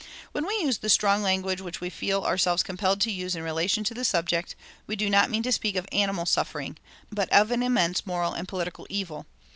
When we use the strong language which we feel ourselves compelled to use in relation to this subject, we do not mean to speak of animal suffering, but of an immense moral and political evil....